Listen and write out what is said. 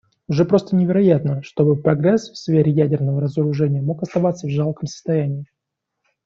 Уже просто невероятно, чтобы прогресс в сфере ядерного разоружения мог оставаться в жалком состоянии.